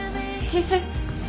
チーフ。